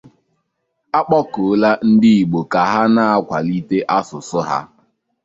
A Kpọkuola Ndị Igbo Ka Ha Na-Akwalite Asụsụ Ha